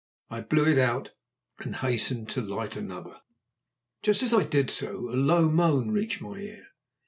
I blew it out and hastened to light another. Just as I did so a low moan reached my ear.